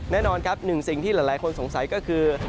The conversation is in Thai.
แน่นอนครับหนึ่งสิ่งที่หลายคนสงสัยก็คือ